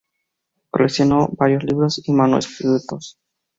Coleccionó varios libros y manuscritos.